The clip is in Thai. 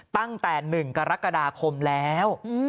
ตั้งแต่๑กรกฎาคมแล้ว